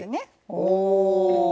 おお！